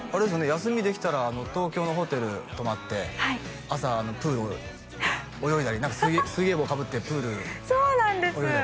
休みできたら東京のホテル泊まって朝プール泳いだり何か水泳帽かぶってプールそうなんです